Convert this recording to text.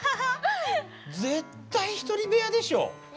絶対１人部屋でしょ。